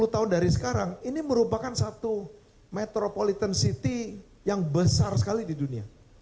sepuluh tahun dari sekarang ini merupakan satu metropolitan city yang besar sekali di dunia